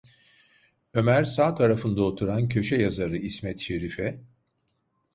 Ömer sağ tarafında oturan köşe yazarı İsmet Şerif’e: